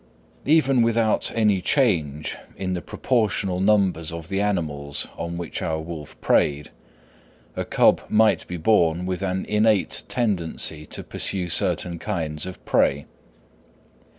Even without any change in the proportional numbers of the animals on which our wolf preyed, a cub might be born with an innate tendency to pursue certain kinds of prey.